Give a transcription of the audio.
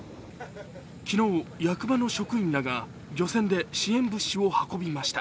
昨日、役場の職員らが漁船で支援物資を運びました。